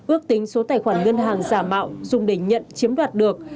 ước tính số tài khoản ngân hàng giả mạo dùng để nhận chiếm đoạt được